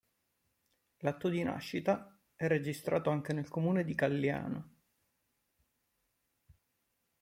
L'atto di nascita è registrato anche nel Comune di Calliano.